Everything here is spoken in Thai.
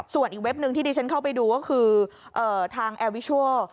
ส่วนอีกเว็บหนึ่งที่ดิฉันเข้าไปดูก็คือทางแอร์วิชัล